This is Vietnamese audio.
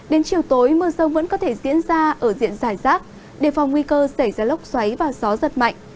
đến chiều tối mưa rông vẫn có thể diễn ra ở diện dài rác đề phòng nguy cơ xảy ra lốc xoáy và gió giật mạnh